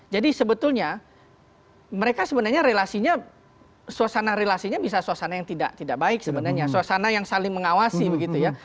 jadi sebetulnya mereka sebenarnya relasinya suasana relasinya bisa suasana yang tidak baik sebenarnya suasana yang saling mengawasi begitu ya